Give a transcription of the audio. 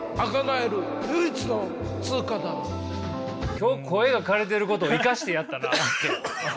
今日声がかれてることを生かしてやったな。